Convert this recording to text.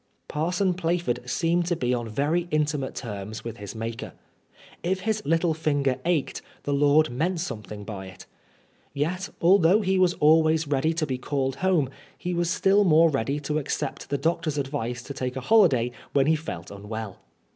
Parson Plaford seemed to be on very intimate terms with his maker. If his little finger ached, the Lord meant something by it. Yet, although he was always ready to be called home, he was still more ready to accept the doctor's advice to take a holiday when he felt unwell.